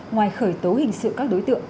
ngoài khởi tố hình sự các đối tượng